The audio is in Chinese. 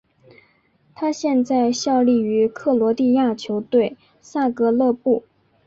他现在效力于克罗地亚球队萨格勒布。